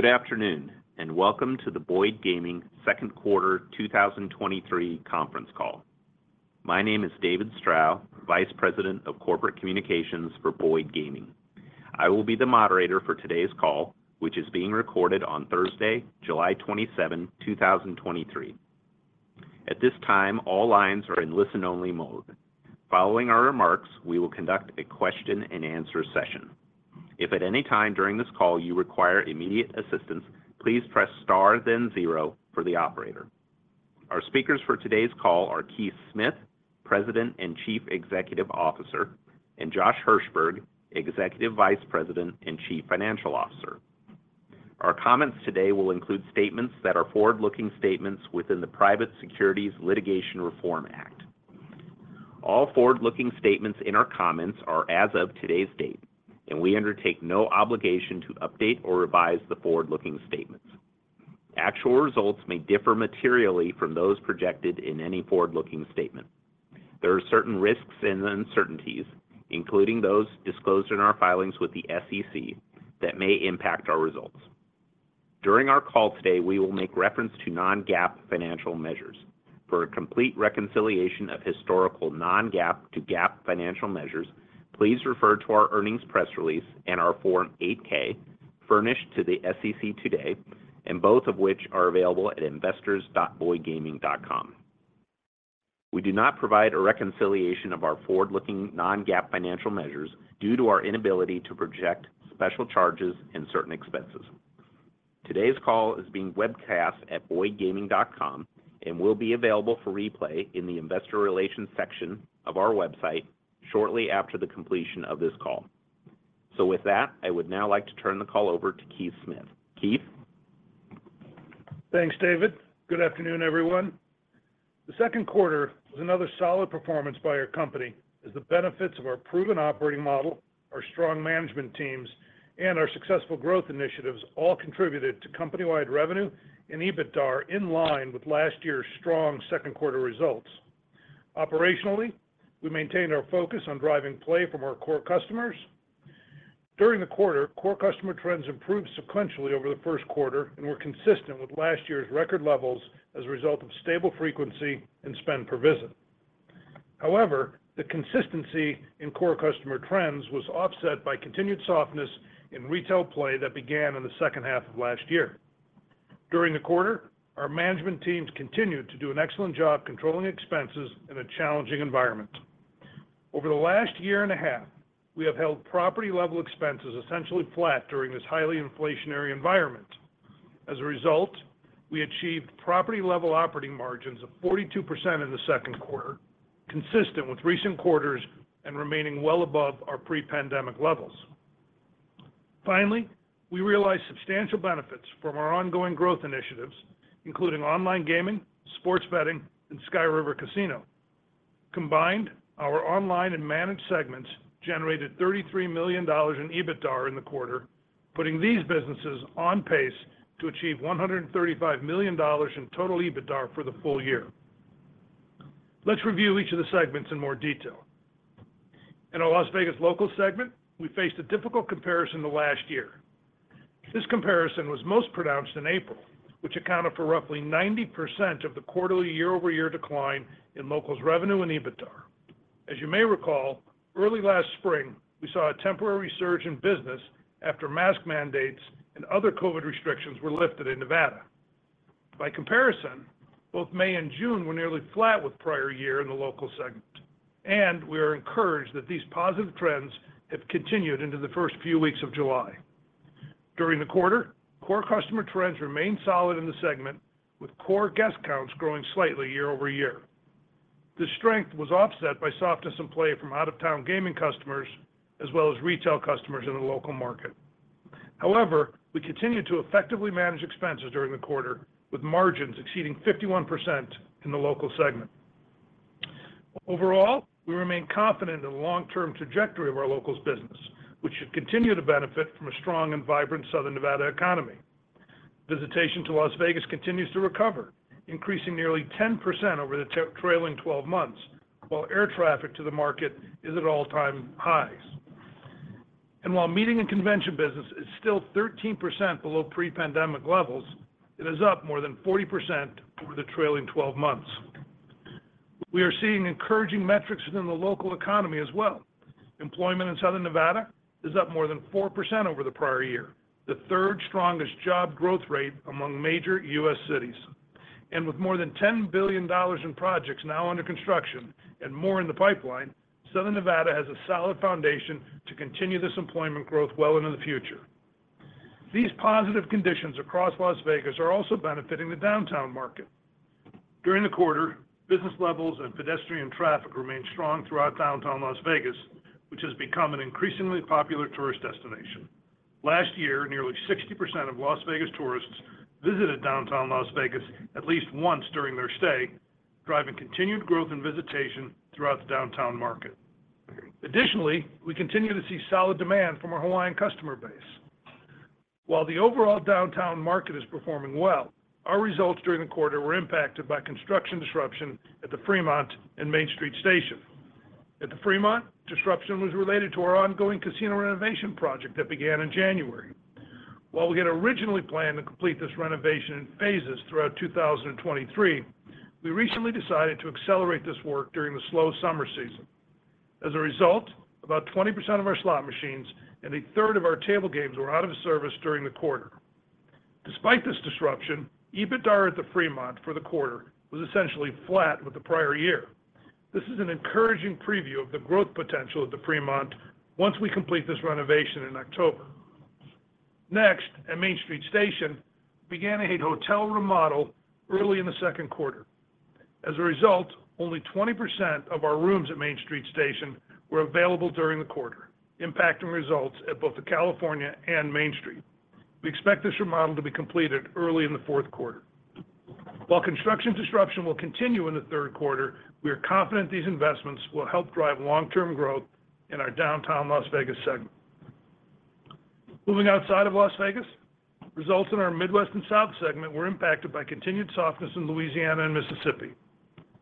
Good afternoon, and welcome to the Boyd Gaming Second Quarter 2023 Conference Call. My name is David Strow, Vice President of Corporate Communications for Boyd Gaming. I will be the moderator for today's call, which is being recorded on Thursday, July 27, 2023. At this time, all lines are in listen-only mode. Following our remarks, we will conduct a question-and-answer session. If at any time during this call you require immediate assistance, please press star then zero for the operator. Our speakers for today's call are Keith Smith, President and Chief Executive Officer, and Josh Hirsberg, Executive Vice President and Chief Financial Officer. Our comments today will include statements that are forward-looking statements within the Private Securities Litigation Reform Act. All forward-looking statements in our comments are as of today's date, and we undertake no obligation to update or revise the forward-looking statements. Actual results may differ materially from those projected in any forward-looking statement. There are certain risks and uncertainties, including those disclosed in our filings with the SEC, that may impact our results. During our call today, we will make reference to non-GAAP financial measures. For a complete reconciliation of historical non-GAAP to GAAP financial measures, please refer to our earnings press release and our Form 8-K furnished to the SEC today, and both of which are available at investors.boydgaming.com. We do not provide a reconciliation of our forward-looking non-GAAP financial measures due to our inability to project special charges and certain expenses. Today's call is being webcast at boydgaming.com and will be available for replay in the investor relations section of our website shortly after the completion of this call. With that, I would now like to turn the call over to Keith Smith. Keith? Thanks, David. Good afternoon, everyone. The second quarter was another solid performance by our company, as the benefits of our proven operating model, our strong management teams, and our successful growth initiatives all contributed to company-wide revenue and EBITDA in line with last year's strong second quarter results. Operationally, we maintained our focus on driving play from our core customers. During the quarter, core customer trends improved sequentially over the first quarter and were consistent with last year's record levels as a result of stable frequency and spend per visit. However, the consistency in core customer trends was offset by continued softness in retail play that began in the second half of last year. During the quarter, our management teams continued to do an excellent job controlling expenses in a challenging environment. Over the last year and a half, we have held property-level expenses essentially flat during this highly inflationary environment. As a result, we achieved property-level operating margins of 42% in the second quarter, consistent with recent quarters and remaining well above our pre-pandemic levels. Finally, we realized substantial benefits from our ongoing growth initiatives, including online gaming, sports betting, and Sky River Casino. Combined, our online and managed segments generated $33 million in EBITDA in the quarter, putting these businesses on pace to achieve $135 million in total EBITDA for the full year. Let's review each of the segments in more detail. In our Las Vegas Locals segment, we faced a difficult comparison to last year. This comparison was most pronounced in April, which accounted for roughly 90% of the quarterly year-over-year decline in Locals revenue and EBITDA. As you may recall, early last spring, we saw a temporary surge in business after mask mandates and other COVID restrictions were lifted in Nevada. By comparison, both May and June were nearly flat with prior year in the Local Segment, and we are encouraged that these positive trends have continued into the first few weeks of July. During the quarter, core customer trends remained solid in the segment, with core guest counts growing slightly year-over-year. This strength was offset by softness in play from out-of-town gaming customers, as well as retail customers in the local market. However, we continued to effectively manage expenses during the quarter, with margins exceeding 51% in the Local Segment. Overall, we remain confident in the long-term trajectory of our Locals business, which should continue to benefit from a strong and vibrant Southern Nevada economy. Visitation to Las Vegas continues to recover, increasing nearly 10% over the trailing twelve months, while air traffic to the market is at all-time highs. While meeting and convention business is still 13% below pre-pandemic levels, it is up more than 40% over the trailing twelve months. We are seeing encouraging metrics within the local economy as well. Employment in Southern Nevada is up more than 4% over the prior year, the third strongest job growth rate among major U.S. cities. With more than $10 billion in projects now under construction and more in the pipeline, Southern Nevada has a solid foundation to continue this employment growth well into the future. These positive conditions across Las Vegas are also benefiting the Downtown market. During the quarter, business levels and pedestrian traffic remained strong throughout Downtown Las Vegas, which has become an increasingly popular tourist destination. Last year, nearly 60% of Las Vegas tourists visited Downtown Las Vegas at least once during their stay, driving continued growth in visitation throughout the Downtown market. Additionally, we continue to see solid demand from our Hawaiian customer base. While the overall Downtown market is performing well, our results during the quarter were impacted by construction disruption at the Fremont and Main Street Station. At the Fremont, disruption was related to our ongoing casino renovation project that began in January. While we had originally planned to complete this renovation in phases throughout 2023, we recently decided to accelerate this work during the slow summer season. As a result, about 20% of our slot machines and a third of our table games were out of service during the quarter. Despite this disruption, EBITDA at the Fremont for the quarter was essentially flat with the prior year. This is an encouraging preview of the growth potential at the Fremont once we complete this renovation in October. Next, at Main Street Station, began a hotel remodel early in the second quarter. As a result, only 20% of our rooms at Main Street Station were available during the quarter, impacting results at both the California and Main Street. We expect this remodel to be completed early in the fourth quarter. While construction disruption will continue in the third quarter, we are confident these investments will help drive long-term growth in our Downtown Las Vegas segment. Moving outside of Las Vegas, results in our Midwest and South segment were impacted by continued softness in Louisiana and Mississippi.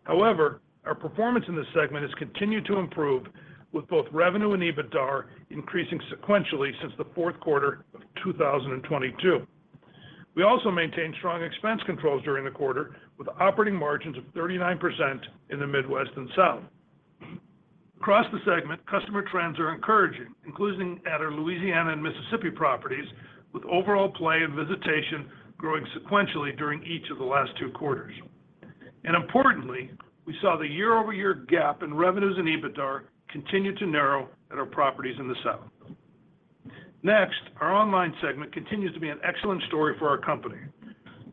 However, our performance in this segment has continued to improve, with both revenue and EBITDA increasing sequentially since the fourth quarter of 2022. We also maintained strong expense controls during the quarter, with operating margins of 39% in the Midwest and South. Across the segment, customer trends are encouraging, including at our Louisiana and Mississippi properties, with overall play and visitation growing sequentially during each of the last two quarters. Importantly, we saw the year-over-year gap in revenues and EBITDA continue to narrow at our properties in the South. Next, our online segment continues to be an excellent story for our company.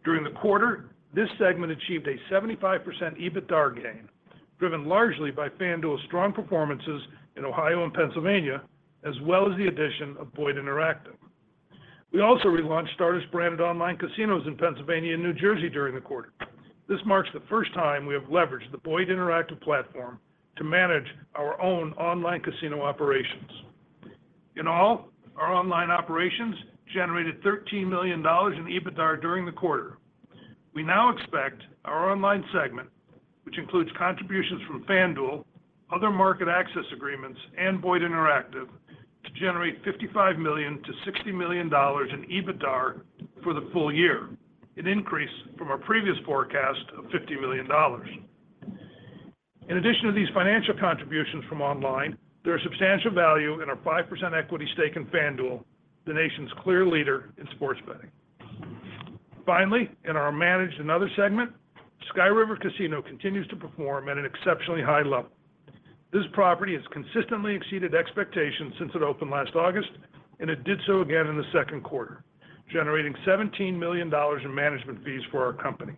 During the quarter, this segment achieved a 75% EBITDA gain, driven largely by FanDuel's strong performances in Ohio and Pennsylvania, as well as the addition of Boyd Interactive. We also relaunched Stardust branded online casinos in Pennsylvania and New Jersey during the quarter. This marks the first time we have leveraged the Boyd Interactive platform to manage our own online casino operations. In all, our online operations generated $13 million in EBITDA during the quarter. We now expect our online segment, which includes contributions from FanDuel, other market access agreements, and Boyd Interactive, to generate $55 million-$60 million in EBITDA for the full year, an increase from our previous forecast of $50 million. In addition to these financial contributions from online, there are substantial value in our 5% equity stake in FanDuel, the nation's clear leader in sports betting. Finally, in our managed and other segment, Sky River Casino continues to perform at an exceptionally high level. This property has consistently exceeded expectations since it opened last August, and it did so again in the second quarter, generating $17 million in management fees for our company.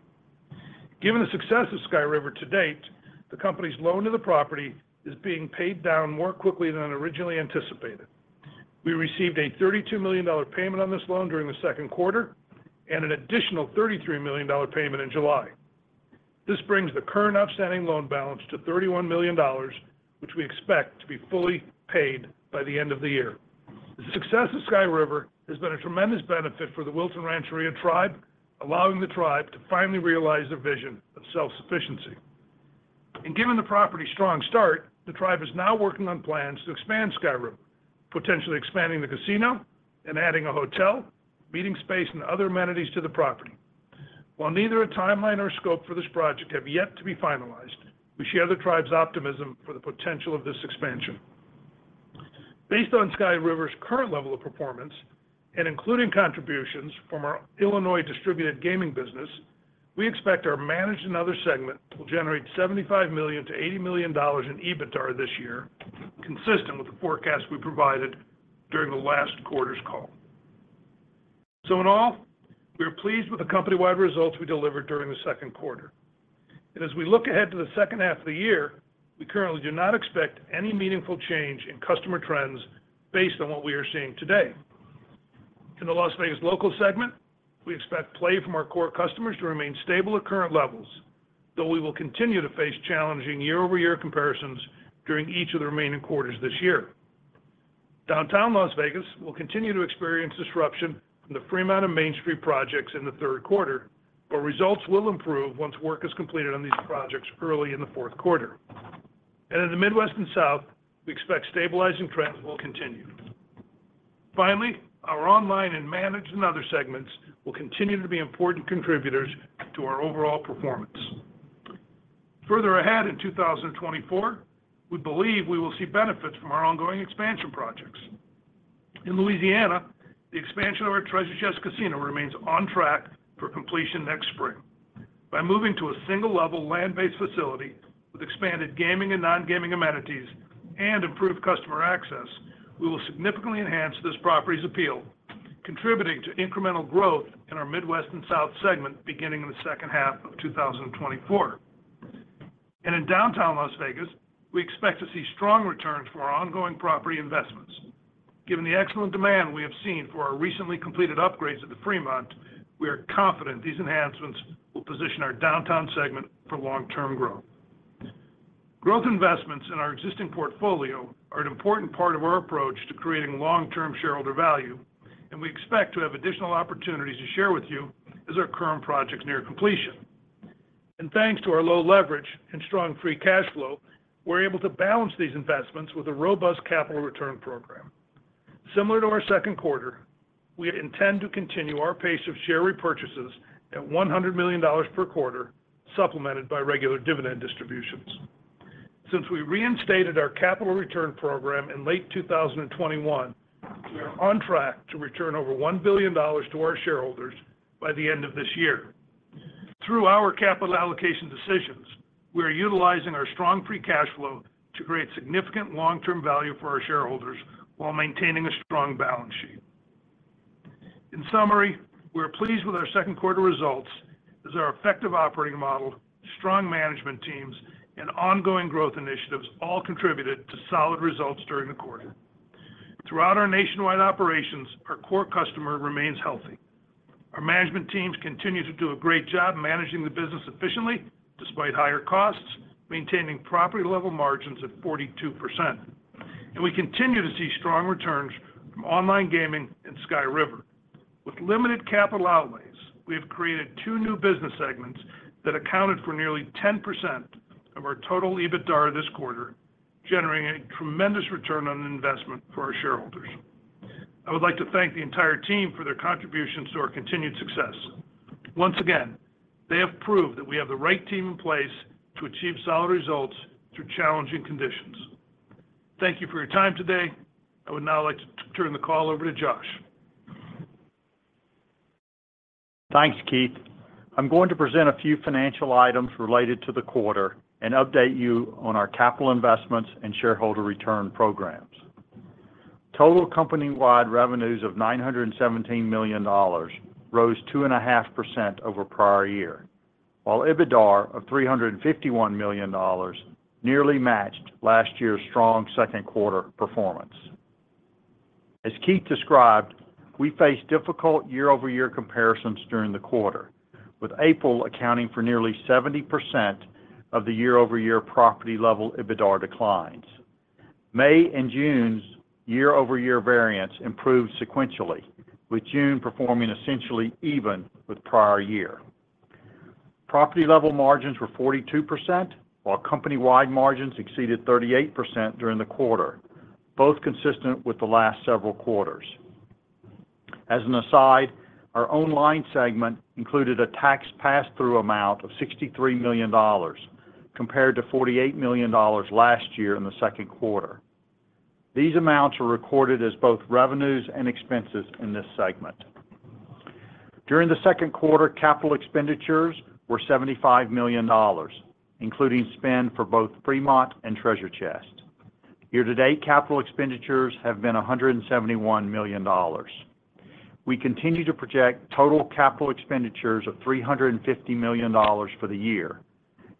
Given the success of Sky River to date, the company's loan to the property is being paid down more quickly than originally anticipated. We received a $32 million payment on this loan during the second quarter and an additional $33 million payment in July. This brings the current outstanding loan balance to $31 million, which we expect to be fully paid by the end of the year. The success of Sky River has been a tremendous benefit for the Wilton Rancheria Tribe, allowing the tribe to finally realize their vision of self-sufficiency. Given the property's strong start, the tribe is now working on plans to expand Sky River, potentially expanding the casino and adding a hotel, meeting space, and other amenities to the property. While neither a timeline or scope for this project have yet to be finalized, we share the tribe's optimism for the potential of this expansion. Based on Sky River's current level of performance and including contributions from our Illinois distributed gaming business, we expect our managed and other segment will generate $75 million-$80 million in EBITDA this year, consistent with the forecast we provided during the last quarter's call. In all, we are pleased with the company-wide results we delivered during the second quarter. As we look ahead to the second half of the year, we currently do not expect any meaningful change in customer trends based on what we are seeing today. In the Las Vegas Locals segment, we expect play from our core customers to remain stable at current levels, though we will continue to face challenging year-over-year comparisons during each of the remaining quarters this year. Downtown Las Vegas will continue to experience disruption from the Fremont and Main Street projects in the third quarter, results will improve once work is completed on these projects early in the fourth quarter. In the Midwest and South, we expect stabilizing trends will continue. Finally, our online and managed and other segments will continue to be important contributors to our overall performance. Further ahead in 2024, we believe we will see benefits from our ongoing expansion projects. In Louisiana, the expansion of our Treasure Chest Casino remains on track for completion next spring. By moving to a single-level, land-based facility with expanded gaming and non-gaming amenities and improved customer access, we will significantly enhance this property's appeal, contributing to incremental growth in our Midwest and South segment beginning in the second half of 2024. In downtown Las Vegas, we expect to see strong returns for our ongoing property investments. Given the excellent demand we have seen for our recently completed upgrades at the Fremont, we are confident these enhancements will position our downtown segment for long-term growth. Growth investments in our existing portfolio are an important part of our approach to creating long-term shareholder value, and we expect to have additional opportunities to share with you as our current projects near completion. Thanks to our low leverage and strong free cash flow, we're able to balance these investments with a robust capital return program. Similar to our second quarter, we intend to continue our pace of share repurchases at $100 million per quarter, supplemented by regular dividend distributions. Since we reinstated our capital return program in late 2021, we are on track to return over $1 billion to our shareholders by the end of this year. Through our capital allocation decisions, we are utilizing our strong free cash flow to create significant long-term value for our shareholders, while maintaining a strong balance sheet. In summary, we're pleased with our second quarter results, as our effective operating model, strong management teams, and ongoing growth initiatives all contributed to solid results during the quarter. Throughout our nationwide operations, our core customer remains healthy. Our management teams continue to do a great job managing the business efficiently, despite higher costs, maintaining property-level margins of 42%. We continue to see strong returns from online gaming and Sky River. With limited capital outlays, we have created two new business segments that accounted for nearly 10% of our total EBITDA this quarter, generating a tremendous return on investment for our shareholders. I would like to thank the entire team for their contributions to our continued success. Once again, they have proved that we have the right team in place to achieve solid results through challenging conditions. Thank you for your time today. I would now like to turn the call over to Josh. Thanks, Keith. I'm going to present a few financial items related to the quarter and update you on our capital investments and shareholder return programs. Total company-wide revenues of $917 million rose 2.5% over prior year, while EBITDA of $351 million nearly matched last year's strong second quarter performance. As Keith described, we faced difficult year-over-year comparisons during the quarter, with April accounting for nearly 70% of the year-over-year property-level EBITDA declines. May and June's year-over-year variance improved sequentially, with June performing essentially even with prior year. Property-level margins were 42%, while company-wide margins exceeded 38% during the quarter, both consistent with the last several quarters. As an aside, our online segment included a tax pass-through amount of $63 million, compared to $48 million last year in the second quarter. These amounts were recorded as both revenues and expenses in this segment. During the second quarter, capital expenditures were $75 million, including spend for both Fremont and Treasure Chest. Year-to-date, capital expenditures have been $171 million. We continue to project total capital expenditures of $350 million for the year,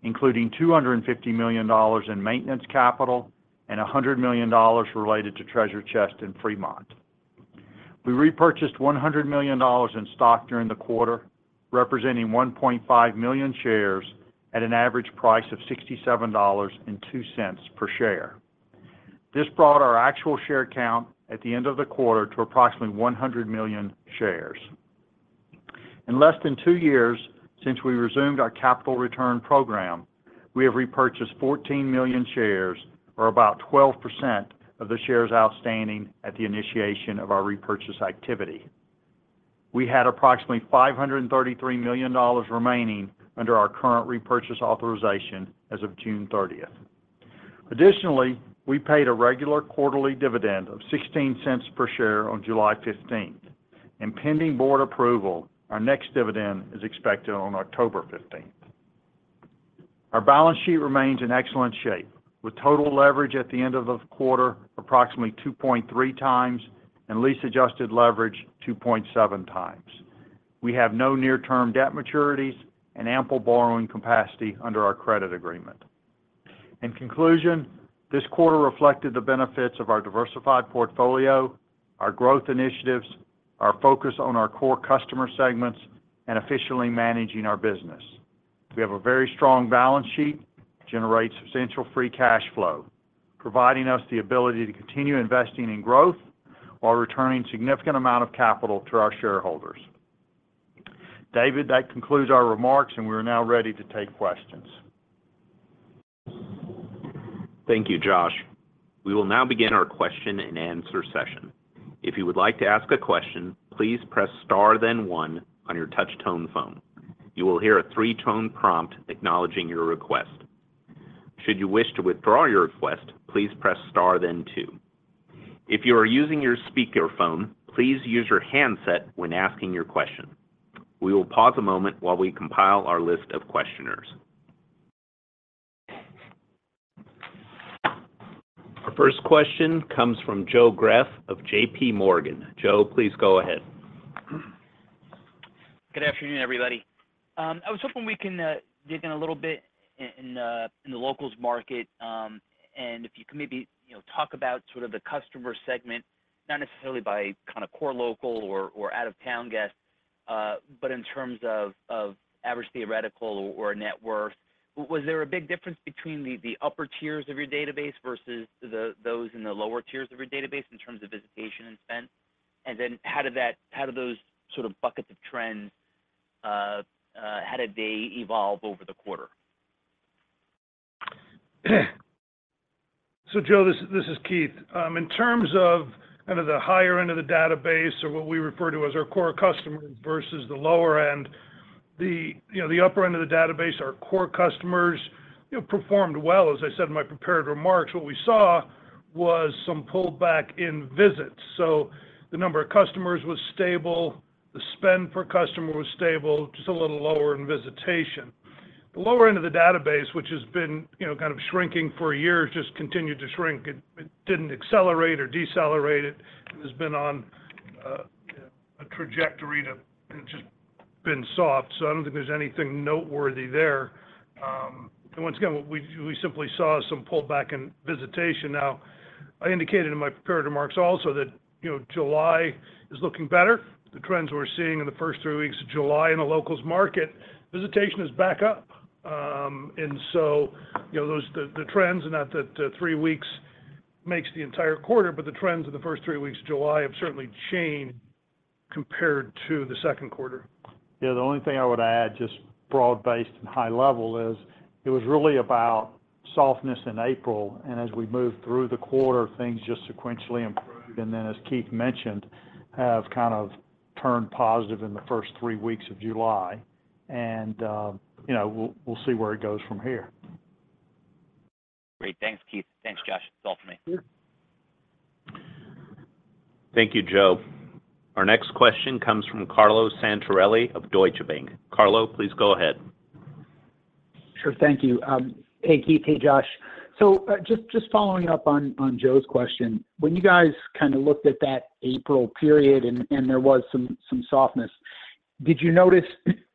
including $250 million in maintenance capital and $100 million related to Treasure Chest in Fremont. We repurchased $100 million in stock during the quarter, representing 1.5 million shares at an average price of $67.02 per share. This brought our actual share count at the end of the quarter to approximately 100 million shares. In less than two years, since we resumed our capital return program, we have repurchased 14 million shares, or about 12% of the shares outstanding at the initiation of our repurchase activity. We had approximately $533 million remaining under our current repurchase authorization as of June 30th. Additionally, we paid a regular quarterly dividend of $0.16 per share on July 15th, and pending board approval, our next dividend is expected on October 15th. Our balance sheet remains in excellent shape, with total leverage at the end of the quarter, approximately 2.3x, and lease-adjusted leverage, 2.7x. We have no near-term debt maturities and ample borrowing capacity under our credit agreement. In conclusion, this quarter reflected the benefits of our diversified portfolio, our growth initiatives, our focus on our core customer segments, and efficiently managing our business. We have a very strong balance sheet, generate substantial free cash flow, providing us the ability to continue investing in growth while returning significant amount of capital to our shareholders. David, that concludes our remarks, and we are now ready to take questions. Thank you, Josh. We will now begin our question-and-answer session. If you would like to ask a question, please press star, then one on your touch tone phone. You will hear a three-tone prompt acknowledging your request. Should you wish to withdraw your request, please press star, then two. If you are using your speakerphone, please use your handset when asking your question. We will pause a moment while we compile our list of questioners. Our first question comes from Joseph Greff of J.P. Morgan. Joe, please go ahead. Good afternoon, everybody. I was hoping we can dig in a little bit in the locals market, and if you can maybe, you know, talk about sort of the customer segment, not necessarily by kind of core local or out-of-town guests, but in terms of average theoretical or net worth, was there a big difference between the upper tiers of your database versus those in the lower tiers of your database in terms of visitation and spend? Then how did that, how did those sort of buckets of trends, how did they evolve over the quarter? Joe, this, this is Keith. In terms of kind of the higher end of the database or what we refer to as our core customers versus the lower end, you know, the upper end of the database, our core customers, you know, performed well. As I said in my prepared remarks, what we saw was some pullback in visits. The number of customers was stable, the spend per customer was stable, just a little lower in visitation. The lower end of the database, which has been, you know, kind of shrinking for a year, just it continued to shrink. It didn't accelerate or decelerate, it, it has been on a trajectory to, it's just been soft, so I don't think there's anything noteworthy there. Once again, what we simply saw some pullback in visitation. Now, I indicated in my prepared remarks also that, you know, July is looking better. The trends we're seeing in the first three weeks of July in the locals market, visitation is back up. you know, the trends, and not that, three weeks makes the entire quarter, but the trends of the first three weeks of July have certainly changed compared to the second quarter. Yeah, the only thing I would add, just broad-based and high level, is it was really about softness in April, and as we moved through the quarter, things just sequentially improved, and then as Keith mentioned, have kind of turned positive in the first three weeks of July. You know, we'll see where it goes from here. Great. Thanks, Keith. Thanks, Josh. That's all for me. Sure. Thank you, Joe. Our next question comes from Carlo Santarelli of Deutsche Bank. Carlo, please go ahead. Sure. Thank you. Hey, Keith. Hey, Josh. Just following up on Joe's question. When you guys kind of looked at that April period and there was some softness, did you notice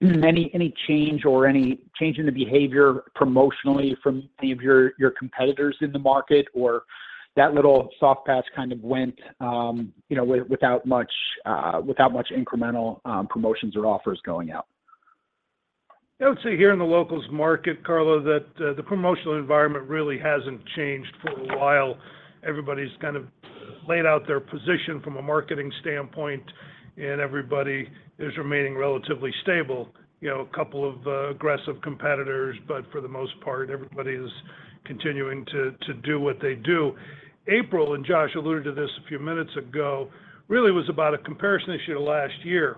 any change or any change in the behavior promotionally from any of your competitors in the market? Or that little soft patch kind of went, you know, without much incremental promotions or offers going out? I would say here in the locals market, Carlo, that, the promotional environment really hasn't changed for a while. Everybody's kind of laid out their position from a marketing standpoint, everybody is remaining relatively stable. You know, a couple of aggressive competitors, but for the most part, everybody is continuing to do what they do. April, and Josh alluded to this a few minutes ago, really was about a comparison issue to last year.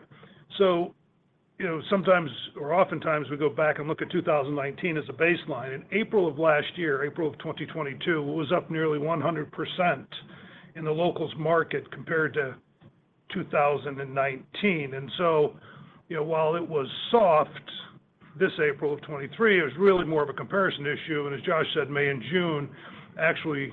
You know, sometimes or oftentimes, we go back and look at 2019 as a baseline. In April of last year, April of 2022, it was up nearly 100% in the locals market compared to 2019. You know, while it was soft this April of 2023, it was really more of a comparison issue. As Josh said, May and June, actually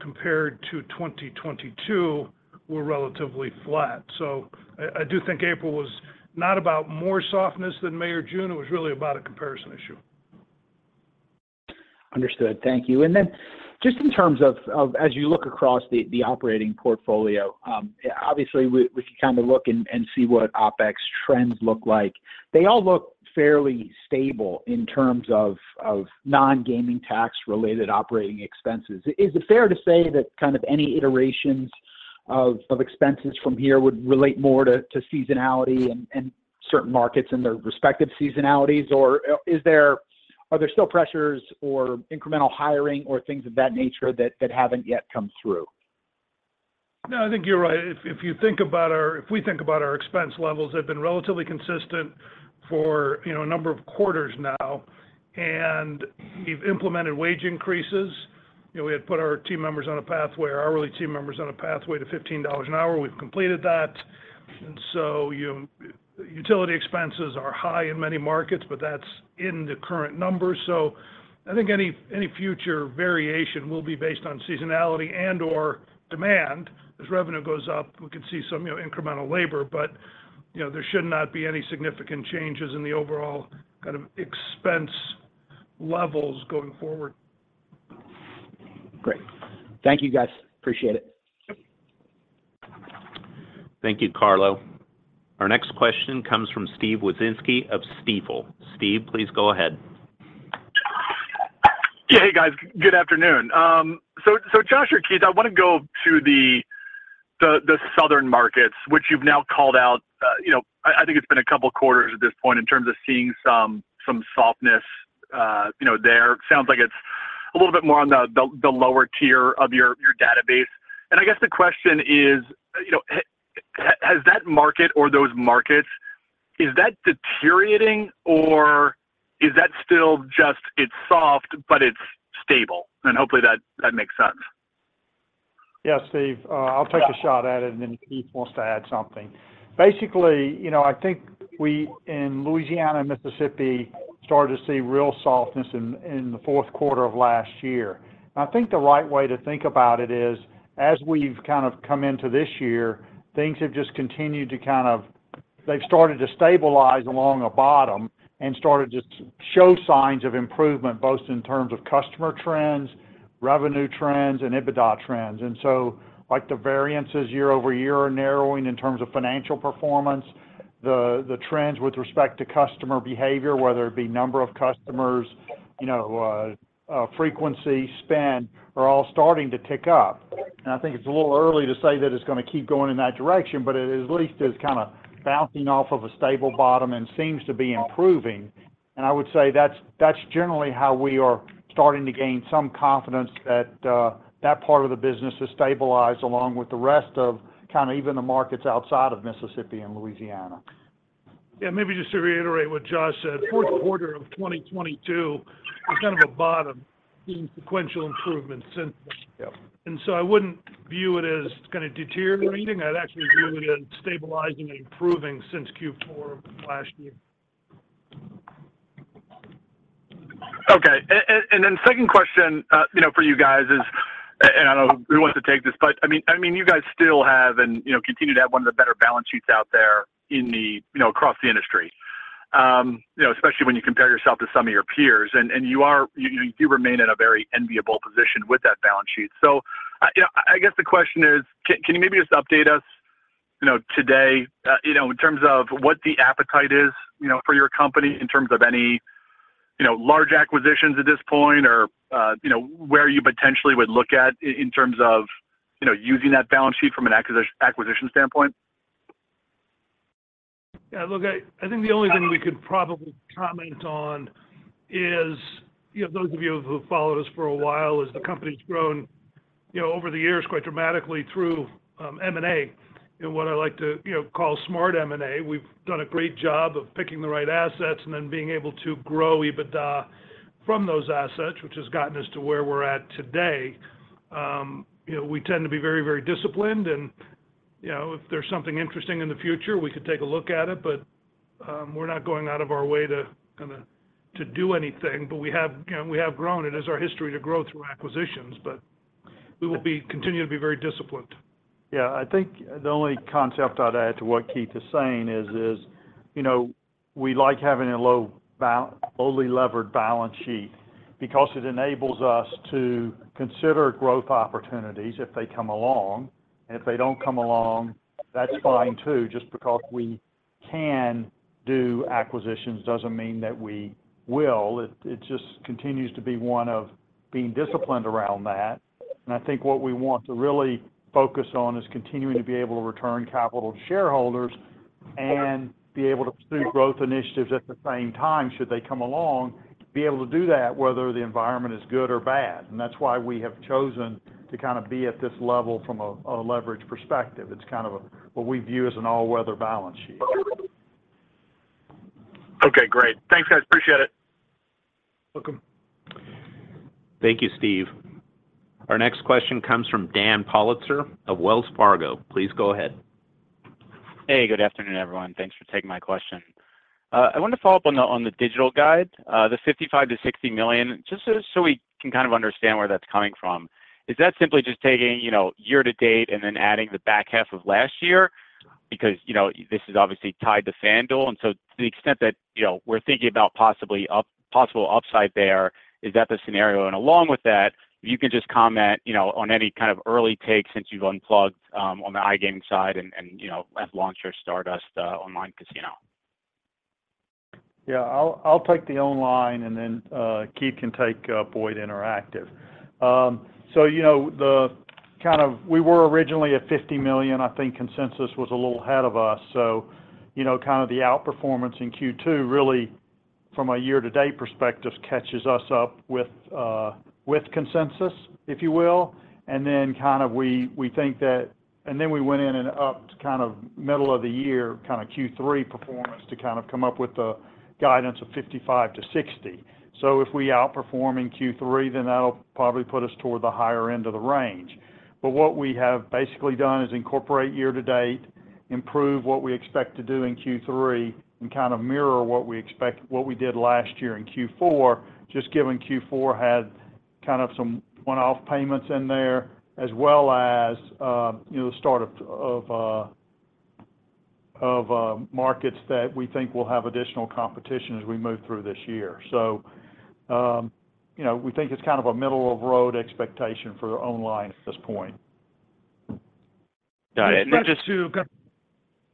compared to 2022, were relatively flat. I do think April was not about more softness than May or June, it was really about a comparison issue. Understood. Thank you. Then just in terms of, of, as you look across the, the operating portfolio, obviously, we can kind of look and, and see what OpEx trends look like. They all look fairly stable in terms of, of non-gaming tax related operating expenses. Is it fair to say that kind of any iterations of, of expenses from here would relate more to, to seasonality and, and certain markets and their respective seasonalities, or are there still pressures or incremental hiring or things of that nature that haven't yet come through? No, I think you're right. If you think about our, if we think about our expense levels, they've been relatively consistent for, you know, a number of quarters now, and we've implemented wage increases. You know, we had put our team members on a pathway, our hourly team members on a pathway to 15 dollars an hour. We've completed that. You know, utility expenses are high in many markets, but that's in the current numbers. I think any, any future variation will be based on seasonality and/or demand. As revenue goes up, we could see some, you know, incremental labor, but, you know, there should not be any significant changes in the overall kind of expense levels going forward. Great. Thank you, guys. Appreciate it. Thank you, Carlo. Our next question comes from Steven Wieczynski of Stifel. Steve, please go ahead. Yeah, hey, guys. Good afternoon. Josh or Keith, I want to go to the southern markets, which you've now called out. You know, I think it's been two quarters at this point in terms of seeing some, some softness, you know, there. Sounds like it's a little bit more on the lower tier of your, your database. I guess the question is, you know, has that market or those markets, is that deteriorating or is that still just it's soft, but it's stable? Hopefully that makes sense. Yeah, Steve, I'll take a shot at it, and then if Keith wants to add something. Basically, you know, I think we, in Louisiana and Mississippi, started to see real softness in, in the fourth quarter of last year. I think the right way to think about it is, as we've kind of come into this year, things have just continued to kind of. They've started to stabilize along the bottom and started to show signs of improvement, both in terms of customer trends, revenue trends, and EBITDA trends. So, like, the variances year-over-year are narrowing in terms of financial performance. The trends with respect to customer behavior, whether it be number of customers, you know, frequency, spend, are all starting to tick up. I think it's a little early to say that it's gonna keep going in that direction, but it at least is kind of bouncing off of a stable bottom and seems to be improving. I would say that's generally how we are starting to gain some confidence that part of the business has stabilized along with the rest of kind of even the markets outside of Mississippi and Louisiana. Yeah, maybe just to reiterate what Josh said. Fourth quarter of 2022 was kind of a bottom, seeing sequential improvements since. Yep. I wouldn't view it as kind of deteriorating. I'd actually view it as stabilizing and improving since Q4 of last year. Okay. Second question, you know, for you guys is, I don't know who wants to take this, but I mean, I mean, you guys still have and, you know, continue to have one of the better balance sheets out there in the, you know, across the industry. You know, especially when you compare yourself to some of your peers, and you do remain in a very enviable position with that balance sheet. I guess the question is, can you maybe just update us, you know, today, in terms of what the appetite is, you know, for your company, in terms of any, you know, large acquisitions at this point, or, you know, where you potentially would look at in terms of, you know, using that balance sheet from an acquisition standpoint? Yeah, look, I think the only thing we could probably comment on is, you know, those of you who've followed us for a while, is the company's grown, you know, over the years quite dramatically through M&A. And what I like to, you know, call smart M&A. We've done a great job of picking the right assets and then being able to grow EBITDA from those assets, which has gotten us to where we're at today. You know, we tend to be very, very disciplined and, you know, if there's something interesting in the future, we could take a look at it, but we're not going out of our way to kind of, to do anything. But we have, you know, we have grown. It is our history to grow through acquisitions, but we will continue to be very disciplined. Yeah, I think the only concept I'd add to what Keith is saying, you know, we like having a lowly levered balance sheet because it enables us to consider growth opportunities if they come along. If they don't come along, that's fine, too. Just because we can do acquisitions, doesn't mean that we will. It just continues to be one of being disciplined around that. I think what we want to really focus on is continuing to be able to return capital to shareholders and be able to pursue growth initiatives at the same time, should they come along, to be able to do that, whether the environment is good or bad. That's why we have chosen to kind of be at this level from a, a leverage perspective. It's kind of a, what we view as an all-weather balance sheet. Okay, great. Thanks, guys. Appreciate it. Welcome. Thank you, Steve. Our next question comes from Daniel Politzer of Wells Fargo. Please go ahead. Hey, good afternoon, everyone. Thanks for taking my question. I wanted to follow up on the, on the digital guide, the $55 million-$60 million, just so, so we can kind of understand where that's coming from. Is that simply just taking, you know, year to date and then adding the back half of last year? Because, you know, this is obviously tied to FanDuel, and so to the extent that, you know, we're thinking about possible upside there, is that the scenario? Along with that, if you could just comment, you know, on any kind of early take since you've unplugged on the iGaming side and, and, you know, have launched your Stardust online casino. Yeah, I'll take the online and then Keith can take Boyd Interactive. You know, we were originally at $50 million. I think consensus was a little ahead of us. You know, kind of the outperformance in Q2, really, from a year-to-date perspective, catches us up with consensus, if you will. We went in and upped kind of middle of the year, kind of Q3 performance, to kind of come up with the guidance of $55 million-$60 million. If we outperform in Q3, then that'll probably put us toward the higher end of the range. What we have basically done is incorporate year-to-date, improve what we expect to do in Q3, and kind of mirror what we did last year in Q4, just given Q4 had kind of some one-off payments in there, as well as, you know, the start of, of markets that we think will have additional competition as we move through this year. You know, we think it's kind of a middle-of-the-road expectation for online at this point. Got it. Then just- And then to,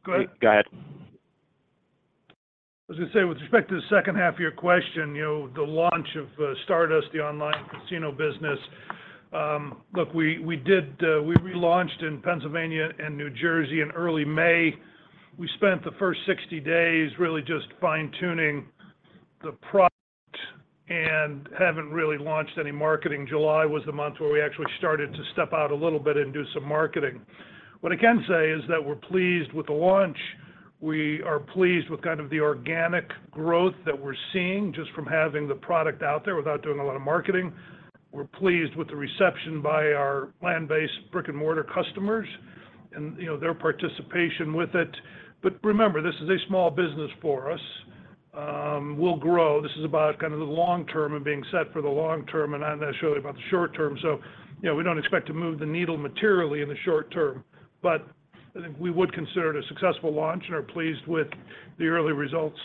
go ahead. Go ahead. I was going to say, with respect to the second half of your question, you know, the launch of Stardust, the online casino business. Look, we, we did, we relaunched in Pennsylvania and New Jersey in early May. We spent the first 60 days really just fine-tuning the product and haven't really launched any marketing. July was the month where we actually started to step out a little bit and do some marketing. What I can say is that we're pleased with the launch. We are pleased with kind of the organic growth that we're seeing, just from having the product out there without doing a lot of marketing. We're pleased with the reception by our land-based brick-and-mortar customers and, you know, their participation with it. Remember, this is a small business for us. We'll grow. This is about kind of the long term and being set for the long term, and not necessarily about the short term. You know, we don't expect to move the needle materially in the short term, but I think we would consider it a successful launch and are pleased with the early results.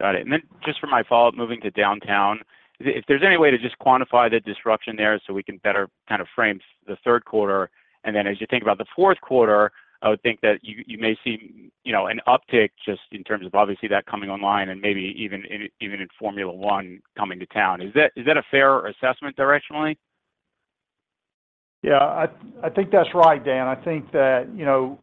Got it. Then just for my follow-up, moving to Downtown, if there's any way to just quantify the disruption there so we can better kind of frame the third quarter. Then as you think about the fourth quarter, I would think that you may see, you know, an uptick just in terms of obviously that coming online and maybe even, even, even in Formula One coming to town. Is that a fair assessment directionally? Yeah, I think that's right, Dan. I think that, you know,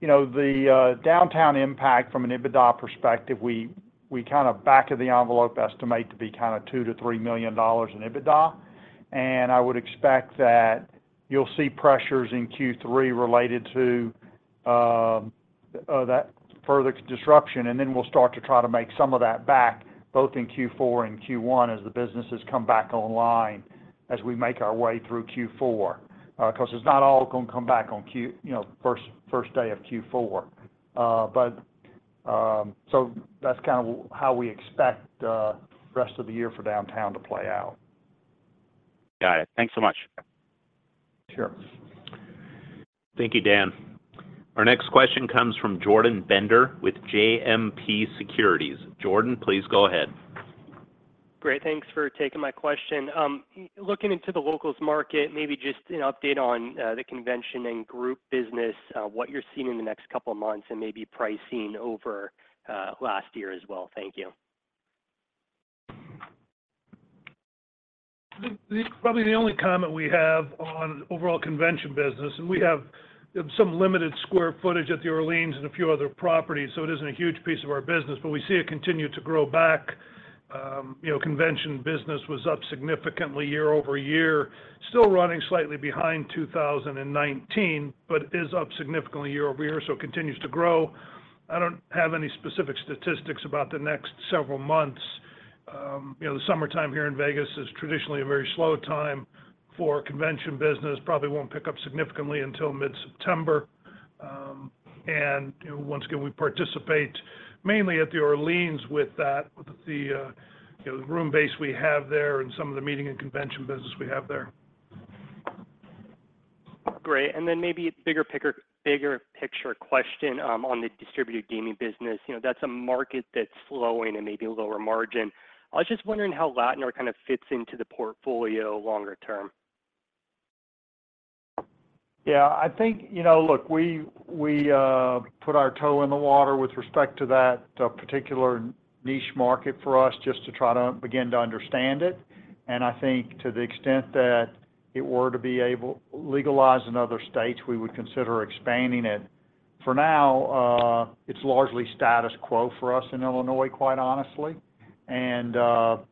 the downtown impact from an EBITDA perspective, we, we kind of back of the envelope estimate to be kind of $2 million-$3 million in EBITDA. I would expect that you'll see pressures in Q3 related to that further disruption, we'll start to try to make some of that back, both in Q4 and Q1 as the businesses come back online, as we make our way through Q4. It's not all gonna come back on, you know, first, first day of Q4. That's kind of how we expect the rest of the year for downtown to play out. Got it. Thanks so much. Sure. Thank you, Dan. Our next question comes from Jordan Bender with JMP Securities. Jordan, please go ahead. Great, thanks for taking my question. Looking into the locals market, maybe just an update on the convention and group business, what you're seeing in the next couple of months, and maybe pricing over last year as well. Thank you. The probably the only comment we have on overall convention business, and we have some limited square footage at the Orleans and a few other properties, it isn't a huge piece of our business, but we see it continue to grow back. You know, convention business was up significantly year-over-year. Still running slightly behind 2019, is up significantly year-over-year, it continues to grow. I don't have any specific statistics about the next several months. You know, the summertime here in Vegas is traditionally a very slow time for convention business, probably won't pick up significantly until mid-September. You know, once again, we participate mainly at the Orleans with that, with the, you know, the room base we have there and some of the meeting and convention business we have there. Great. Then maybe a bigger bigger picture question, on the distributed gaming business. You know, that's a market that's slowing and maybe lower margin. I was just wondering how Lattner kind of fits into the portfolio longer term? Yeah, I think, you know, look, we, put our toe in the water with respect to that particular niche market for us, just to try to begin to understand it. I think to the extent that it were to be legalized in other states, we would consider expanding it. For now, it's largely status quo for us in Illinois, quite honestly. You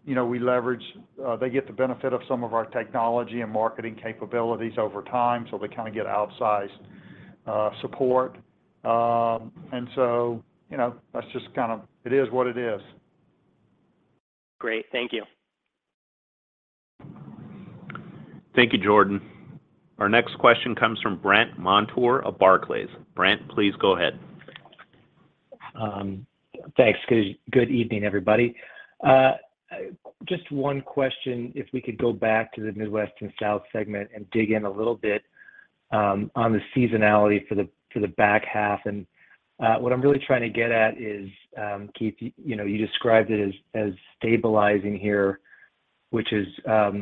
know, they get the benefit of some of our technology and marketing capabilities over time, so they kind of get outsized support. So, you know, that's just kind of. It is what it is. Great. Thank you. Thank you, Jordan. Our next question comes from Brandt Montour of Barclays. Brandt, please go ahead. Thanks. Good, good evening, everybody. Just one question, if we could go back to the Midwest and South segment and dig in a little bit on the seasonality for the back half. What I'm really trying to get at is, Keith, you know, you described it as stabilizing here, which is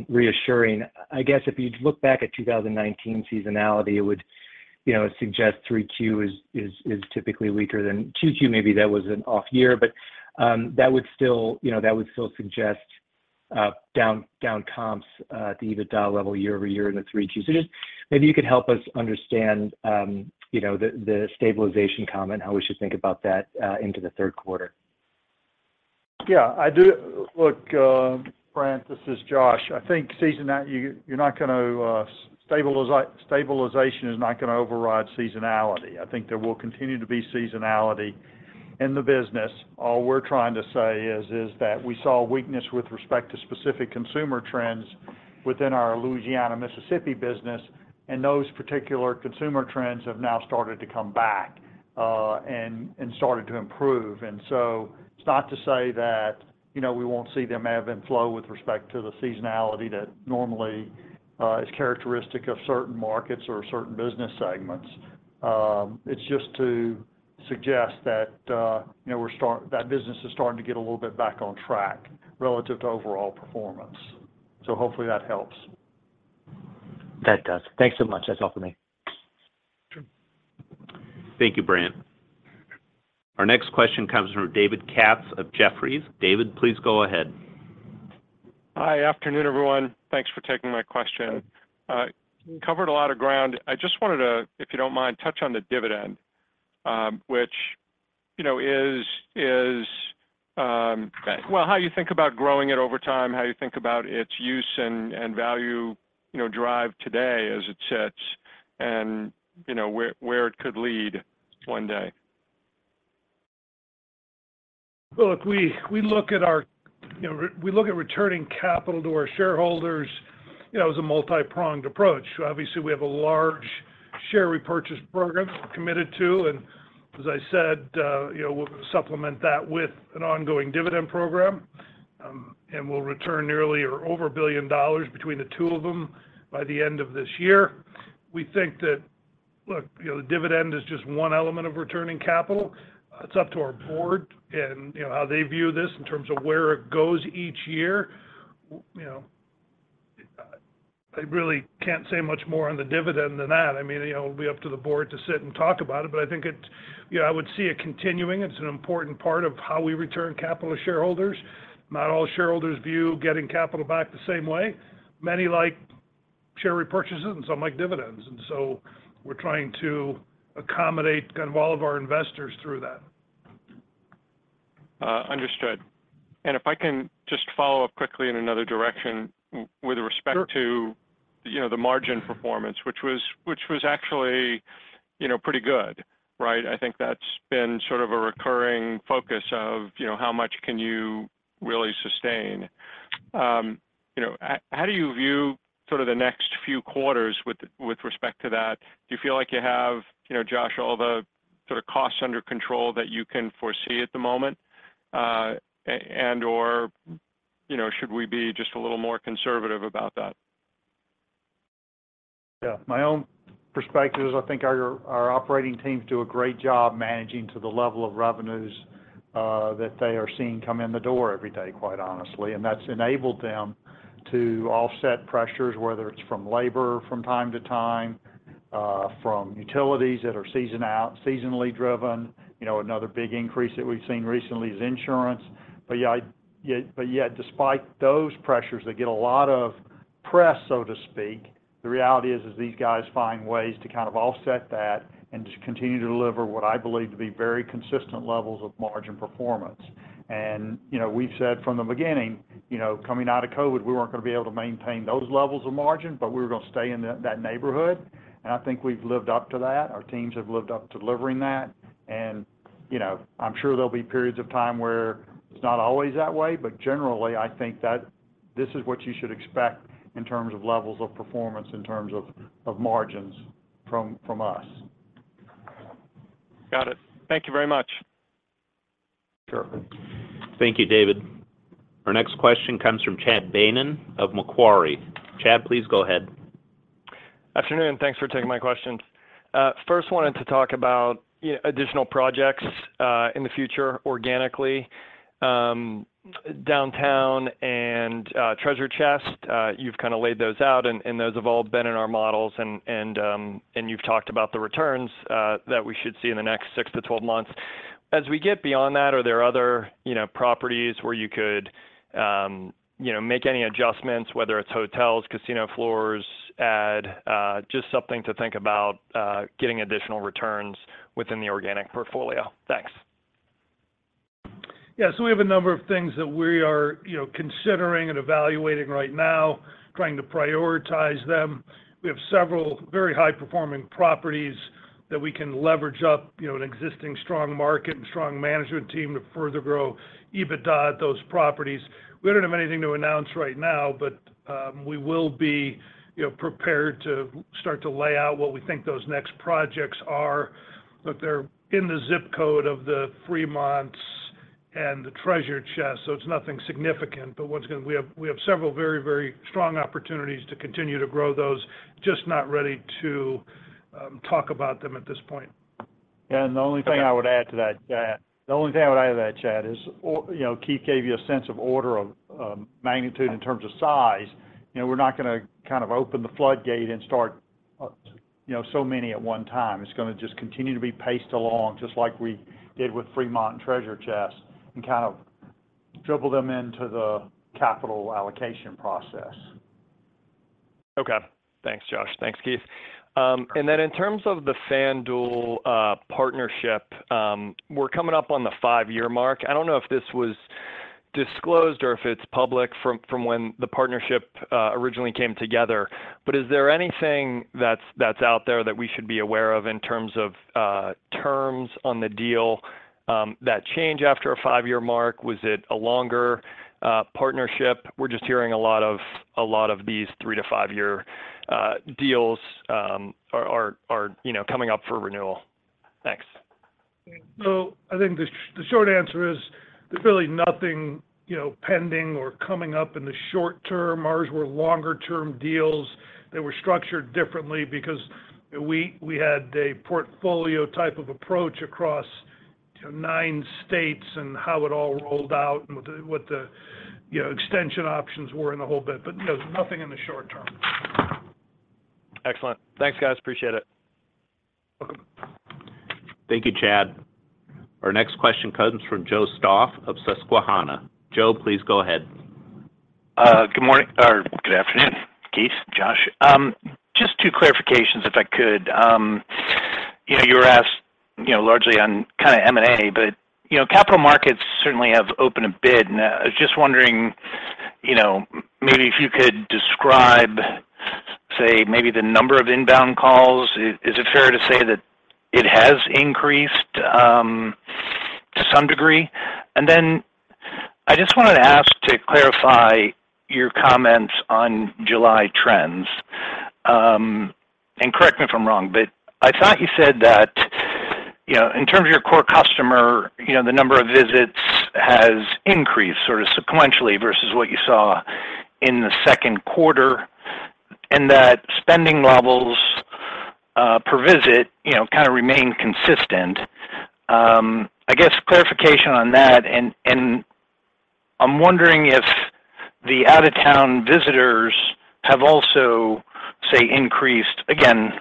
reassuring. I guess if you look back at 2019 seasonality, it would, you know, suggest 3Q is, is, is typically weaker than 2Q. Maybe that was an off year, but that would still, you know, that would still suggest down comps at the EBITDA level year-over-year in the 3Q. Just maybe you could help us understand, you know, the stabilization comment, how we should think about that into the third quarter. Yeah, I do. Look, Brent, this is Josh. I think seasonality, you, you're not gonna, stabilization is not gonna override seasonality. I think there will continue to be seasonality in the business. All we're trying to say is, is that we saw a weakness with respect to specific consumer trends within our Louisiana-Mississippi business, and those particular consumer trends have now started to come back and started to improve. It's not to say that, you know, we won't see them ebb and flow with respect to the seasonality that normally is characteristic of certain markets or certain business segments. It's just to suggest that, you know, that business is starting to get a little bit back on track relative to overall performance. Hopefully that helps. That does. Thanks so much. That's all for me. Sure. Thank you, Brent. Our next question comes from David Katz of Jefferies. David, please go ahead. Hi. Afternoon, everyone. Thanks for taking my question. You covered a lot of ground. I just wanted to, if you don't mind, touch on the dividend, which, you know, is. Right Well, how you think about growing it over time, how you think about its use and value, you know, drive today as it sits, and, you know, where it could lead one day? Well, look, we look at our, you know, we look at returning capital to our shareholders, you know, as a multi-pronged approach. Obviously, we have a large share repurchase program committed to, and as I said, you know, we'll supplement that with an ongoing dividend program. We'll return nearly or over $1 billion between the two of them by the end of this year. We think that. Look, you know, the dividend is just one element of returning capital. It's up to our board and, you know, how they view this in terms of where it goes each year. W- you know, I really can't say much more on the dividend than that. I mean, you know, it'll be up to the board to sit and talk about it, but I think it, you know, I would see it continuing. It's an important part of how we return capital to shareholders. Not all shareholders view getting capital back the same way. Many like share repurchases, and some like dividends, and so we're trying to accommodate kind of all of our investors through that. Understood. If I can just follow up quickly in another direction with respect to, you know, the margin performance, which was, which was actually, you know, pretty good, right? I think that's been sort of a recurring focus of, you know, how much can you really sustain? You know, how do you view sort of the next few quarters with, with respect to that? Do you feel like you have, you know, Josh, all the sort of costs under control that you can foresee at the moment? And/or, you know, should we be just a little more conservative about that? Yeah. My own perspective is I think our operating teams do a great job managing to the level of revenues, that they are seeing come in the door every day, quite honestly, and that's enabled them to offset pressures, whether it's from labor from time to time, from utilities that are seasonally driven. You know, another big increase that we've seen recently is insurance. Yeah, yet, but yet despite those pressures, they get a lot of press, so to speak. The reality is, is these guys find ways to kind of offset that and just continue to deliver what I believe to be very consistent levels of margin performance. We've said from the beginning, you know, coming out of COVID, we weren't gonna be able to maintain those levels of margin, but we were gonna stay in that, that neighborhood, and I think we've lived up to that. Our teams have lived up to delivering that. You know, I'm sure there'll be periods of time where it's not always that way, but generally, I think that this is what you should expect in terms of levels of performance, in terms of, of margins from us. Got it. Thank thank you very much. Sure. Thank you, David. Our next question comes from Chad Beynon of Macquarie. Chad, please go ahead. Afternoon, thanks for taking my questions. First, wanted to talk about, you know, additional projects in the future organically. Downtown and Treasure Chest, you've kind of laid those out, and, and those have all been in our models, and, and, and you've talked about the returns that we should see in the next six to 12 months. As we get beyond that, are there other, you know, properties where you could, you know, make any adjustments, whether it's hotels, casino floors, add, just something to think about, getting additional returns within the organic portfolio? Thanks. So we have a number of things that we are, you know, considering and evaluating right now, trying to prioritize them. We have several very high-performing properties that we can leverage up, you know, an existing strong market and strong management team to further grow EBITDA at those properties. We don't have anything to announce right now, but we will be, you know, prepared to start to lay out what we think those next projects are. But they're in the zip code of the Fremont and the Treasure Chest, so it's nothing significant. We have, we have several very, very strong opportunities to continue to grow those, just not ready to talk about them at this point. The only thing I would add to that, Chad, the only thing I would add to that, Chad, is you know, Keith gave you a sense of order of magnitude in terms of size. You know, we're not gonna kind of open the floodgate and start, you know, so many at one time. It's gonna just continue to be paced along, just like we did with Fremont and Treasure Chest, and kind of dribble them into the capital allocation process. Okay. Thanks, Josh. Thanks, Keith. Then in terms of the FanDuel partnership, we're coming up on the 5-year mark. I don't know if this was disclosed or if it's public from, from when the partnership originally came together, but is there anything that's, that's out there that we should be aware of in terms of terms on the deal that change after a 5-year mark? Was it a longer partnership? We're just hearing a lot of- a lot of these 3- to 5-year deals are, are, are, you know, coming up for renewal. Thanks. I think the short answer is, there's really nothing, you know, pending or coming up in the short term. Ours were longer term deals that were structured differently because we, we had a portfolio type of approach across, you know, nine states and how it all rolled out and what the, what the, you know, extension options were and the whole bit. Nothing in the short term. Excellent. Thanks, guys. Appreciate it. Welcome. Thank you, Chad. Our next question comes from Joseph Stauff of Susquehanna. Joe, please go ahead. Good morning or good afternoon, Keith, Josh. Just two clarifications, if I could. You know, you were asked, you know, largely on kind of M&A, but, you know, capital markets certainly have opened a bid, I was just wondering, you know, maybe if you could describe, say, maybe the number of inbound calls. Is it fair to say that it has increased to some degree? I just wanted to ask to clarify your comments on July trends. Correct me if I'm wrong, but I thought you said that, you know, in terms of your core customer, you know, the number of visits has increased sort of sequentially versus what you saw in the second quarter, and that spending levels per visit, you know, kind of remain consistent. I guess clarification on that, and I'm wondering if the out-of-town visitors have also, say, increased again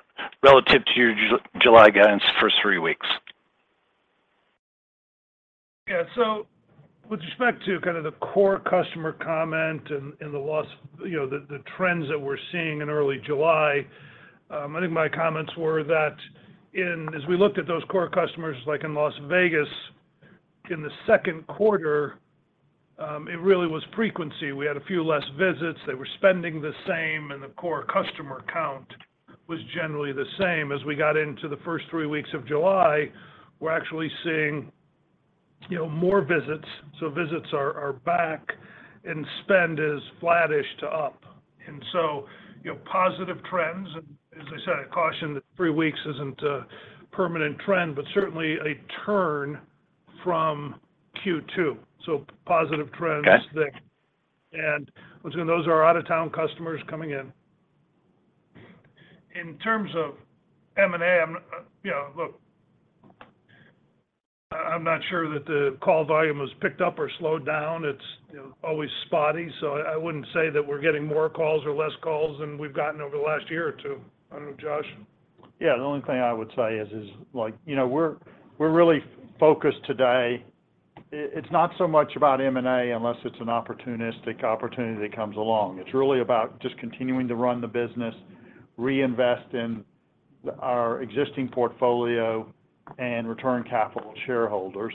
relative to your July guidance first three weeks? Yeah. With respect to kind of the core customer comment and, and the loss, you know, the, the trends that we're seeing in early July, I think my comments were that as we looked at those core customers, like in Las Vegas, in the 2nd quarter, it really was frequency. We had a few less visits. They were spending the same, and the core customer count was generally the same. As we got into the first three weeks of July, we're actually seeing, you know, more visits, visits are, are back and spend is flattish to up. You know, positive trends, and as I said, I caution that three weeks isn't a permanent trend, but certainly a turn from Q2. Positive trends there. Once again, those are out-of-town customers coming in. In terms of M&A, I'm, you know, look, I'm not sure that the call volume has picked up or slowed down. It's, you know, always spotty, so I wouldn't say that we're getting more calls or less calls than we've gotten over the last year or two. I don't know, Josh? Yeah, the only thing I would say is, like, you know, we're, we're really focused today. It's not so much about M&A, unless it's an opportunistic opportunity that comes along. It's really about just continuing to run the business, reinvest in our existing portfolio, and return capital to shareholders.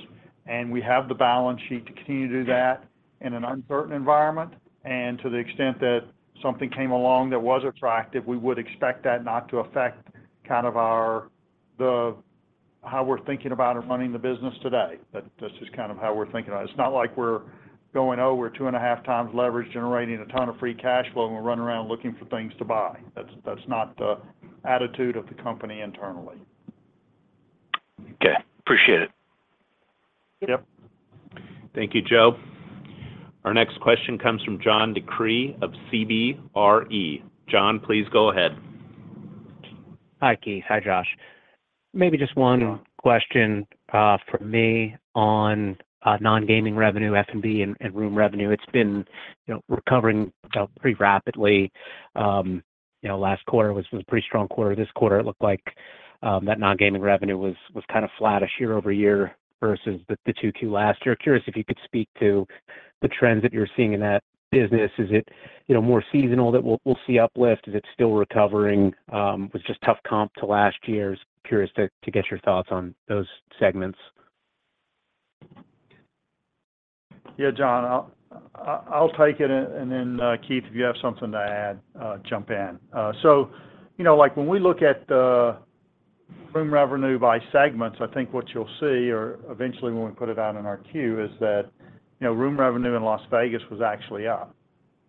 We have the balance sheet to continue to do that in an uncertain environment. To the extent that something came along that was attractive, we would expect that not to affect how we're thinking about or running the business today. That, that's just kind of how we're thinking about it. It's not like we're going, "Oh, we're 2.5x leverage, generating a ton of free cash flow, and we're running around looking for things to buy." That's, that's not the attitude of the company internally. Okay, appreciate it. Yep. Yep. Thank you, Joe. Our next question comes from John DeCree of CBRE. John, please go ahead. Hi, Keith. Hi, Josh. Maybe just one question from me on non-gaming revenue, F&B, and room revenue. It's been, you know, recovering pretty rapidly. You know, last quarter was a pretty strong quarter. This quarter, it looked like that non-gaming revenue was kind of flatish year-over-year versus the Q2 last year. Curious if you could speak to the trends that you're seeing in that business. Is it, you know, more seasonal that we'll see uplift? Is it still recovering? Was just tough comp to last year's? Curious to get your thoughts on those segments. Yeah, John, I'll take it and then, Keith, if you have something to add, jump in. You know, like, when we look at the room revenue by segments, I think what you'll see, or eventually when we put it out in our Q, is that, you know, room revenue in Las Vegas was actually up.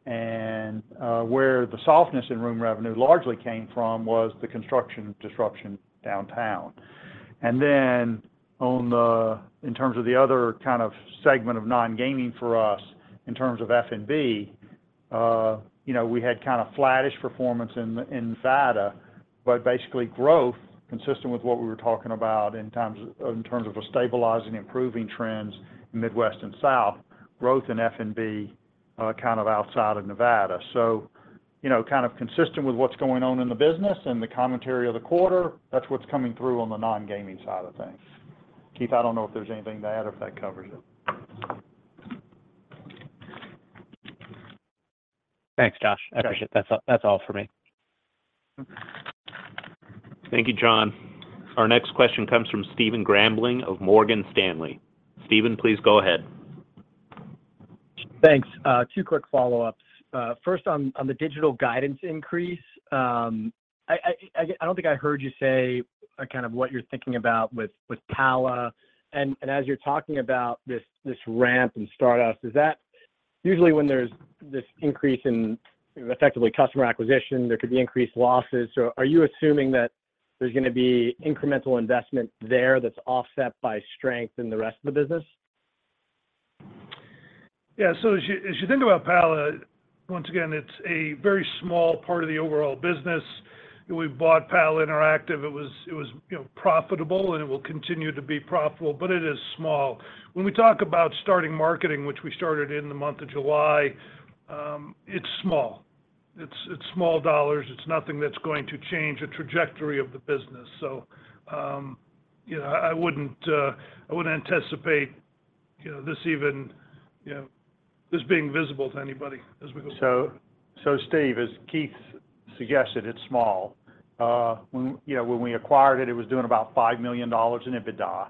Where the softness in room revenue largely came from was the construction disruption downtown. Then, in terms of the other kind of segment of non-gaming for us, in terms of F&B, you know, we had kind of flattish performance in, in Nevada, but basically growth, consistent with what we were talking about in terms of, in terms of a stabilizing, improving trends in Midwest and South, growth in F&B, kind of outside of Nevada. You know, kind of consistent with what's going on in the business and the commentary of the quarter, that's what's coming through on the non-gaming side of things. Keith, I don't know if there's anything to add or if that covers it? Thanks, Josh. Yeah. I appreciate it. That's all, that's all for me. Thank you, John. Our next question comes from Stephen Grambling of Morgan Stanley. Steven, please go ahead. Thanks. Two quick follow-ups. First on the digital guidance increase, I don't think I heard you say kind of what you're thinking about with Pala. As you're talking about this ramp and start-ups, is that... Usually, when there's this increase in effectively customer acquisition, there could be increased losses. Are you assuming that there's gonna be incremental investment there that's offset by strength in the rest of the business? Yeah. As you think about Pala, once again, it's a very small part of the overall business. We bought Pala Interactive. It was, it was, you know, profitable and it will continue to be profitable, but it is small. When we talk about starting marketing, which we started in the month of July, it's small. It's small dollars. It's nothing that's going to change the trajectory of the business. You know, I wouldn't anticipate, you know, this even, you know, this being visible to anybody as we go forward. Steve, as Keith suggested, it's small. When, you know, when we acquired it, it was doing about $5 million in EBITDA.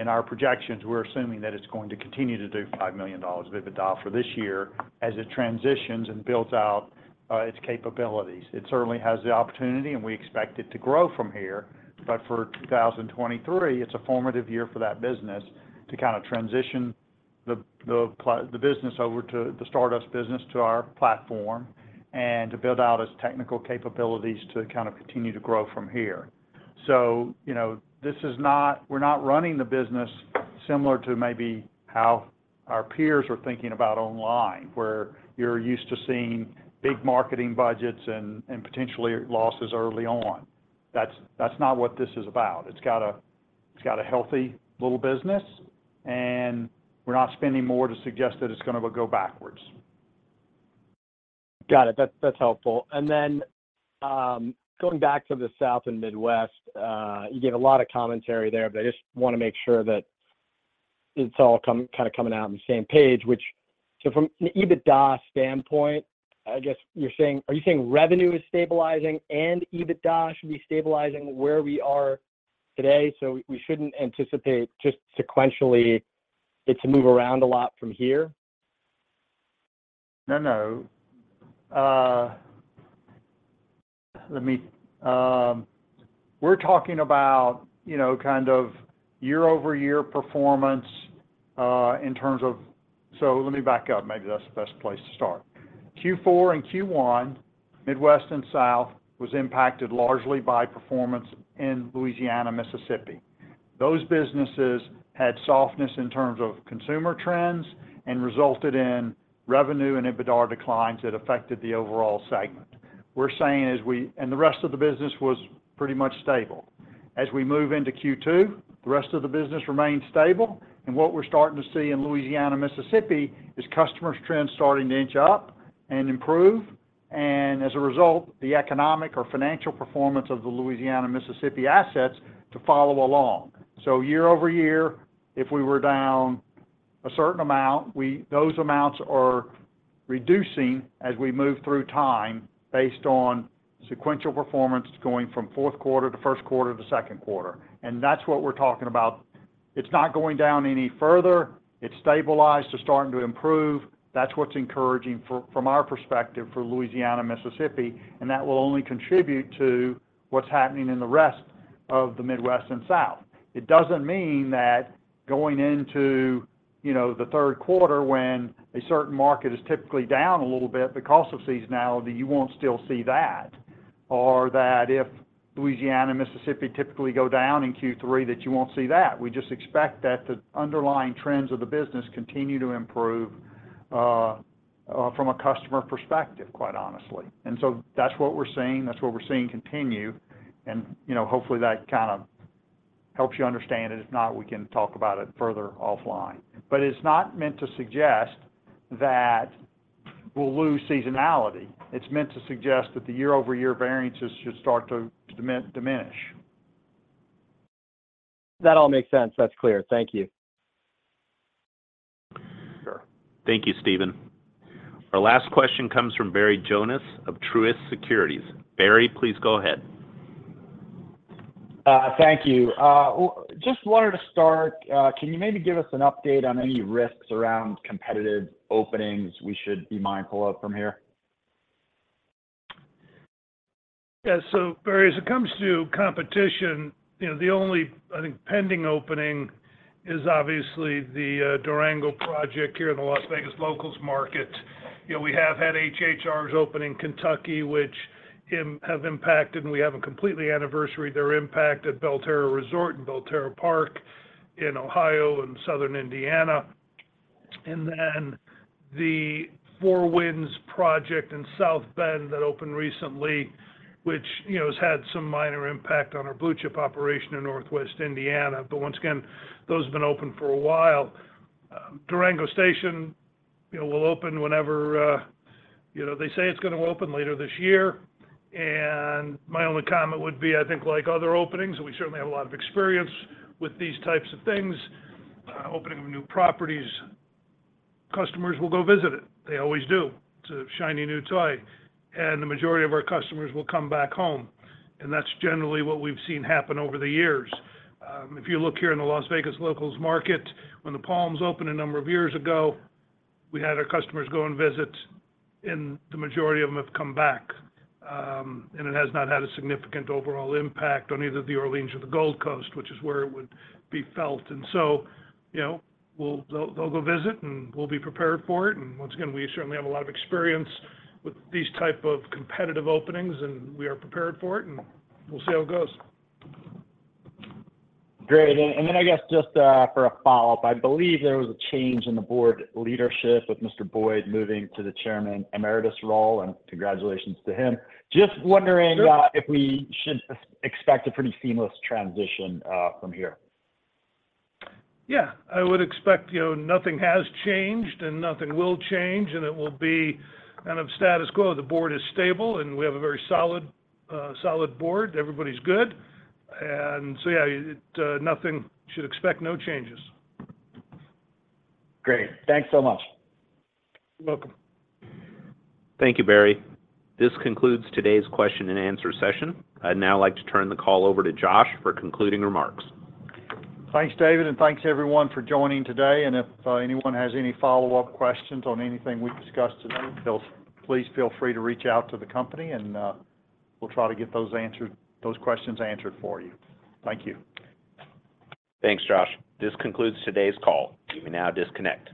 In our projections, we're assuming that it's going to continue to do $5 million of EBITDA for this year, as it transitions and builds out its capabilities. It certainly has the opportunity, and we expect it to grow from here. For 2023, it's a formative year for that business to kind of transition the business over to, the Stardust business to our platform, and to build out its technical capabilities to kind of continue to grow from here. You know, this is not we're not running the business similar to maybe how our peers are thinking about online, where you're used to seeing big marketing budgets and, and potentially losses early on. That's, that's not what this is about. It's got a, it's got a healthy little business, and we're not spending more to suggest that it's gonna go, go backwards. Got it. That's helpful. Going back to the South and Midwest, you gave a lot of commentary there, but I just wanna make sure that it's all kind of coming out on the same page. From an EBITDA standpoint, I guess you're saying, are you saying revenue is stabilizing and EBITDA should be stabilizing where we are today? We shouldn't anticipate just sequentially it to move around a lot from here? No, no. Let me... We're talking about, you know, kind of year-over-year performance, in terms-- Let me back up, maybe that's the best place to start. Q4 and Q1, Midwest and South, was impacted largely by performance in Louisiana, Mississippi. Those businesses had softness in terms of consumer trends and resulted in revenue and EBITDA declines that affected the overall segment. We're saying as we, and the rest of the business was pretty much stable. As we move into Q2, the rest of the business remains stable, and what we're starting to see in Louisiana, Mississippi, is customers' trends starting to inch up and improve, and as a result, the economic or financial performance of the Louisiana, Mississippi assets to follow along. Year-over-year, if we were down a certain amount, those amounts are reducing as we move through time based on sequential performance going from fourth quarter to first quarter to second quarter, and that's what we're talking about. It's not going down any further. It's stabilized to starting to improve. That's what's encouraging for- from our perspective for Louisiana, Mississippi, and that will only contribute to what's happening in the rest of the Midwest and South. It doesn't mean that going into, you know, the third quarter when a certain market is typically down a little bit because of seasonality, you won't still see that, or that if Louisiana, Mississippi typically go down in Q3, that you won't see that. We just expect that the underlying trends of the business continue to improve from a customer perspective, quite honestly. So that's what we're seeing, that's what we're seeing continue and, you know, hopefully, that kind of helps you understand it. If not, we can talk about it further offline. It's not meant to suggest that we'll lose seasonality. It's meant to suggest that the year-over-year variances should start to diminish. That all makes sense. That's clear. Thank you. Sure. Thank you, Steven. Our last question comes from Barry Jonas of Truist Securities. Barry, please go ahead. Thank you. Just wanted to start, can you maybe give us an update on any risks around competitive openings we should be mindful of from here? Yeah. Barry, as it comes to competition, you know, the only, I think, pending opening is obviously the Durango project here in the Las Vegas Locals market. You know, we have had HHRs open in Kentucky, which have impacted, and we haven't completely anniversaried their impact at Belterra Resort and Belterra Park in Ohio and Southern Indiana. The Four Winds project in South Bend that opened recently, which, you know, has had some minor impact on our Blue Chip operation in Northwest Indiana. Once again, those have been open for a while. Durango Station, you know, will open whenever, you know, they say it's gonna open later this year. My only comment would be, I think, like other openings, and we certainly have a lot of experience with these types of things, opening of new properties, customers will go visit it. They always do. It's a shiny new toy, and the majority of our customers will come back home, and that's generally what we've seen happen over the years. If you look here in the Las Vegas Locals market, when the Palms opened a number of years ago, we had our customers go and visit, and the majority of them have come back. It has not had a significant overall impact on either the Orleans or the Gold Coast, which is where it would be felt. You know, we'll, they'll, they'll go visit, and we'll be prepared for it. Once again, we certainly have a lot of experience with these type of competitive openings, and we are prepared for it, and we'll see how it goes. Great. Then I guess just for a follow-up, I believe there was a change in the board leadership with Mr. Boyd moving to the Chairman Emeritus role, and congratulations to him. Sure. Just wondering, if we should ex- expect a pretty seamless transition, from here? Yeah. I would expect, you know, nothing has changed, and nothing will change, and it will be kind of status quo. The board is stable, and we have a very solid board. Everybody's good. So yeah, nothing. You should expect no changes. Great. Thanks so much. You're welcome. Thank you, Barry. This concludes today's question and answer session. I'd now like to turn the call over to Josh for concluding remarks. Thanks, David, and thanks everyone for joining today. If anyone has any follow-up questions on anything we've discussed today, please feel free to reach out to the company, and we'll try to get those answered, those questions answered for you. Thank you. Thanks, Josh. This concludes today's call. You may now disconnect.